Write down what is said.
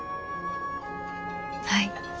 はい。